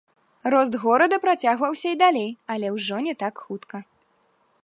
Рост горада працягваўся і далей, але ўжо не так хутка.